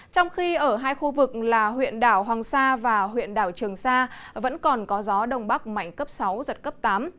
trong khi ở hai khu vực là huyện đảo hoàng sa và huyện đảo trường sa vẫn còn có gió đông bắc mạnh cấp sáu giật cấp tám